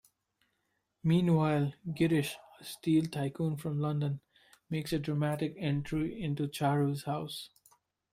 Meanwhile, Girish, a steel tycoon from London, makes a dramatic entry into Charu's house.